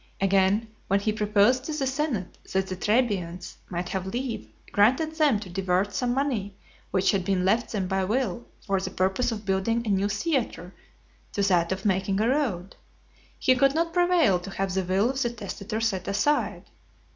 Again, when he proposed to the senate, that the Trebians might have leave granted them to divert some money which had been left them by will for the purpose of building a new theatre, to that of making a road, he could not prevail to have the will of the testator set aside.